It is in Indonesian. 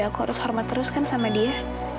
aku harus hormat terus kan sama dia